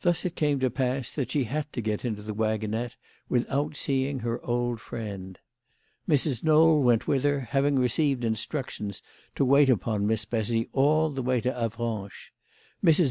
Thus it came to pass that she had 154 THE LADY OP LAUNAY. to get into the waggonette without seeing her old friend. Mrs. Knowl went with her, haying received instructions to wait upon Miss Bessy all the way to Avranches. Mrs.